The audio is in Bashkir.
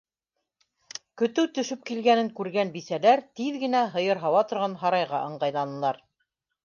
Көтөү төшөп килгәнен күргән бисәләр тиҙ генә һыйыр һауа торған һарайға ыңғайланылар.